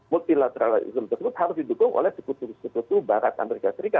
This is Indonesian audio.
multilateralism tersebut harus didukung oleh sekutu sekutu barat amerika serikat